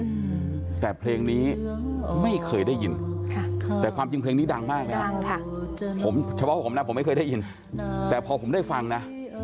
หลายบทเพลงแต่เพลงนี้ไม่เคยได้ยินแต่ความจริงเพลงนี้ดังมากนะผมเฉพาะผมนะผมไม่เคยได้ยินแต่พอผมได้ฟังนะ